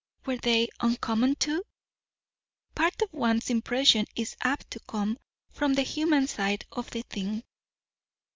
were they uncommon too? Part of one's impression is apt to come from the human side of the thing."